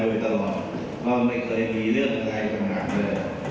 ไปไว้ตลอดก็ไม่เคยมีเรื่องอะไรสำหรับเธอ